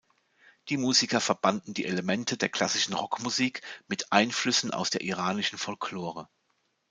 Die Musiker verbanden die Elemente der klassischen Rockmusik mit Einflüssen aus der iranischen Folklore.